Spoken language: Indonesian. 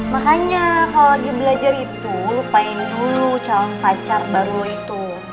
makanya kalau lagi belajar itu lupain dulu calon pacar baru itu